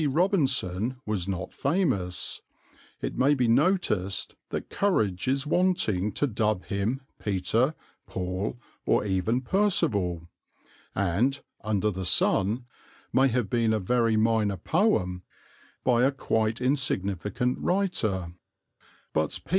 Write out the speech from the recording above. Robinson was not famous; it may be noticed that courage is wanting to dub him Peter, Paul, or even Percival; and "Under the Sun" may have been a very minor poem by a quite insignificant writer; but P.